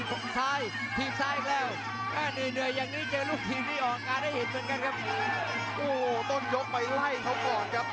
โอ้โหมันจริงครับ